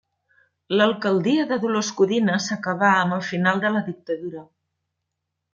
L’alcaldia de Dolors Codina s’acabà amb el final de la dictadura.